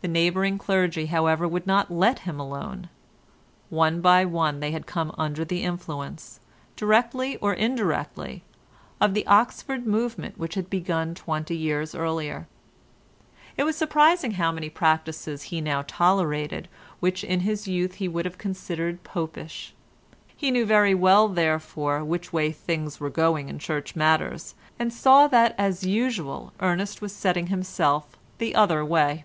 The neighbouring clergy, however, would not let him alone. One by one they had come under the influence, directly or indirectly, of the Oxford movement which had begun twenty years earlier. It was surprising how many practices he now tolerated which in his youth he would have considered Popish; he knew very well therefore which way things were going in Church matters, and saw that as usual Ernest was setting himself the other way.